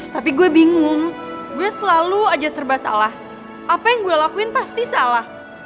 tapi gue bingung gue selalu aja serba salah apa yang gue lakuin pasti salah